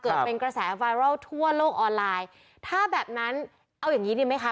เกิดเป็นกระแสไวรัลทั่วโลกออนไลน์ถ้าแบบนั้นเอาอย่างงี้ดีไหมคะ